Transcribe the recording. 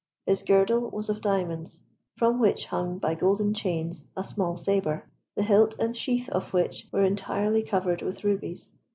His girdle was of diamonds, from which hung by golden chains a small sabre, the hilt and sheath of which were entirely covered with rubies.